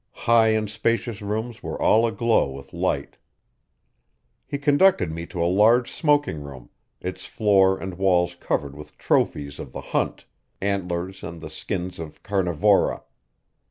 High and spacious rooms were all aglow with light. He conducted me to a large smoking room, its floor and walls covered with trophies of the hunt antlers and the skins of carnivora.